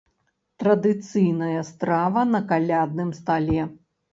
Традыцыйная страва на калядным стале.